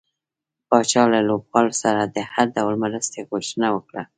پاچا له لوبغاړو سره د هر ډول مرستې غوښتنه وکړه .